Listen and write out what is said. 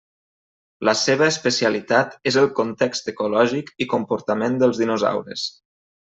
La seva especialitat és el context ecològic i comportament dels dinosaures.